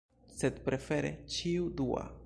Sed prefere ĉiu dua.